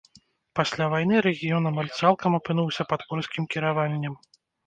Пасля вайны рэгіён амаль цалкам апынуўся пад польскім кіраваннем.